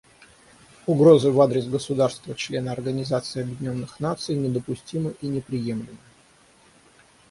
Угрозы в адрес государства-члена Организации Объединенных Наций недопустимы и неприемлемы.